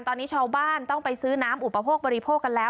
ตอนนี้ชาวบ้านต้องไปซื้อน้ำอุปโภคบริโภคกันแล้ว